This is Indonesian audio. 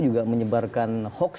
juga menyebarkan hoax